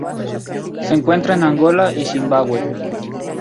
Se encuentra en Angola y Zimbabue.